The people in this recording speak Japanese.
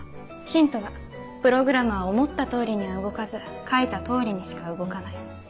ヒントはプログラムは思った通りには動かず書いた通りにしか動かない。